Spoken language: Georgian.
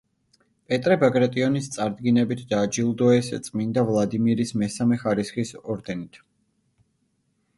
პეტრე ბაგრატიონის წარდგინებით დააჯილდოეს წმინდა ვლადიმირის მესამე ხარისხის ორდენით.